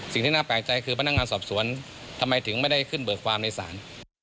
สิ่งที่น่าแปลกใจคือพนักงานสอบสวนทำไมถึงไม่ได้ขึ้นเบิกความในศาล